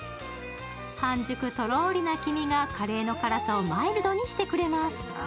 半熟とろりな黄身がカレーの辛さをマイルドにしてくれます。